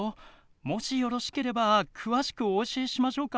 もしよろしければ詳しくお教えしましょうか？